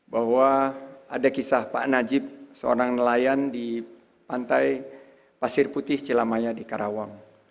bahwa ada kisah pak najib seorang nelayan di pantai pasir putih cilamaya di karawang